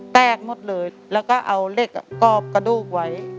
แตกหมดเลยแล้วก็เอาเหล็กกรอบกระดูกไว้